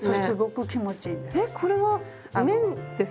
えっこれは綿ですか？